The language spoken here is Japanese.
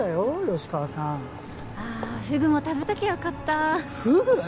吉川さんああフグも食べときゃよかったフグ！？